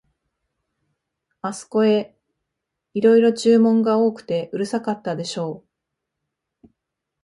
あすこへ、いろいろ注文が多くてうるさかったでしょう、